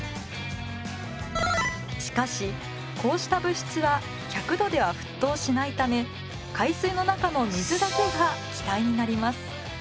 しかしこうした物質は１００度では沸騰しないため海水の中の水だけが気体になります。